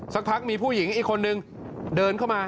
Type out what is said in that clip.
สักพักมีผู้หญิงอีกคนนึงเดินเข้ามา